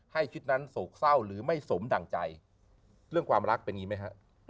ให้ชุดนั้นโศกเศร้าหรือไม่สมดั่งใจเรื่องความรักเป็นอย่างนี้ไหมฮะ